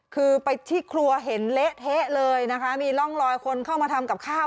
คือไปที่ครัวเห็นเละเทะเลยนะคะมีร่องรอยคนเข้ามาทำกับข้าว